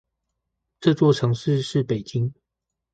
這座城市是北京